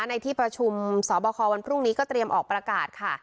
ในที่ประชุมสอบคอวันพรุ่งนี้ก็เตรียมออกประกาศค่ะ